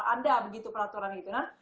ada begitu peraturan itu kan